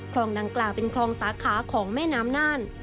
ดังกล่าวเป็นคลองสาขาของแม่น้ำน่าน